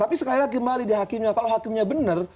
tapi sekali lagi kalau hakimnya benar